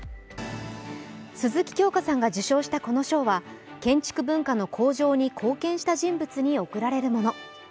鈴木京香さんが受賞したこの賞は建築文化の向上に貢献した人物に贈られるもの。